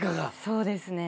そうですね。